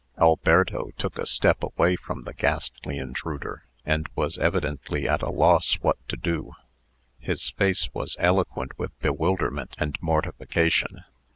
Alberto took a step away from the ghastly intruder, and was evidently at a loss what to do. His face was eloquent with bewilderment and mortification.